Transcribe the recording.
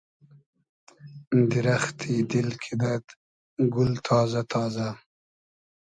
دیرئختی دیل کیدئد گول تازۂ تازۂ